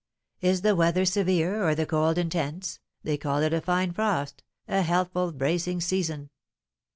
Is the weather severe, or the cold intense, they call it a fine frost, a healthful, bracing season.